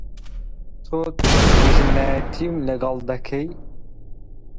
تۆ دوژمنایەتیم لەگەڵ دەکەی!